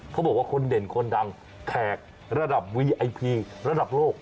เขาบอกว่าคนเด่นคนดังแขกระดับวีไอพีระดับโลก